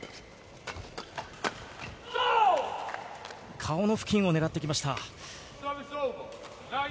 顔の付近を狙ってきました。